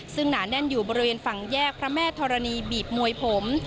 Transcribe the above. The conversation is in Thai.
ซึ่งหนาแน่นอยู่บริเวณฝั่งแยกพระแม่ธรณีบีบมวยผม